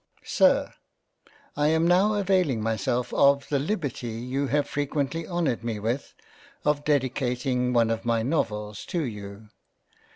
Sir 1AM now availing myself of the Liberty you have fre quently honoured me with of dedicating one of my Novels to you.